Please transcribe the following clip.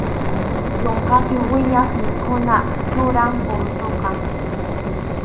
Yunkapi wiñaq mikhuna yuram purutuqa.